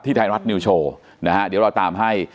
ไทยรัฐนิวโชว์นะฮะเดี๋ยวเราตามให้